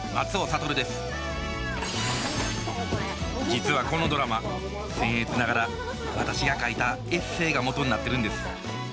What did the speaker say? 実はこのドラマせん越ながら私が書いたエッセイが元になってるんです。